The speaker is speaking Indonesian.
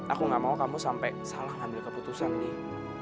aku gak mau kamu sampai salah ngambil keputusan nih